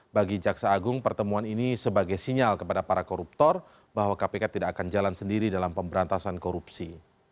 bagi jaksa agung pertemuan ini sebagai sinyal kepada para koruptor bahwa kpk tidak akan jalan sendiri dalam pemberantasan korupsi